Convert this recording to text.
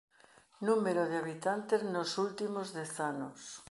Número de habitantes nos últimos dez anos.